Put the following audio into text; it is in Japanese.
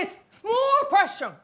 モアパッション！